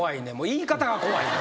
言い方が怖い。